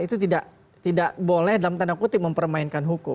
itu tidak boleh dalam tanda kutip mempermainkan hukum